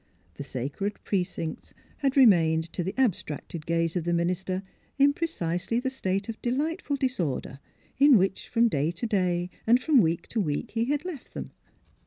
The sacred precincts had remained to the abstracted gaze of the minister in precisely the state of de lightful disorder in which, from day to day and from week to week, he had left them.